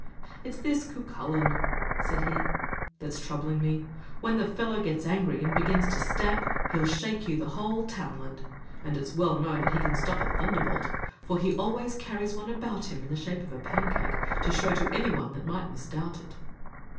"It's this Cucullin," said he, "that's troubling me. When the fellow gets angry, and begins to stamp, he'll shake you a whole townland; and it's well known that he can stop a thunderbolt, for he always carries one about him in the shape of a pancake, to show to anyone that might misdoubt it."